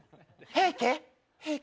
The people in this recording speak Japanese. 平家？